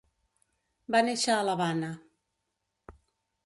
Va néixer a l'Havana.